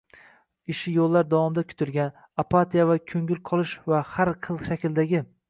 ishi yillar davomida kutilgan, apatiya va ko‘ngil qolish va har xil shakldagi